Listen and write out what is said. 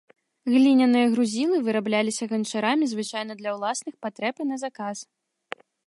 Гліняныя грузілы вырабляліся ганчарамі звычайна для ўласных патрэб і на заказ.